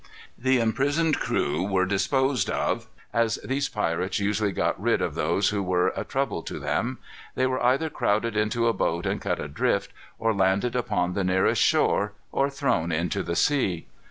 The imprisoned crew were disposed of as these pirates usually got rid of those who were a trouble to them. They were either crowded into a boat and cut adrift, or landed upon the nearest shore, or thrown into the sea.